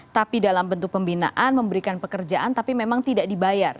tapi dalam bentuk pembinaan memberikan pekerjaan tapi memang tidak dibayar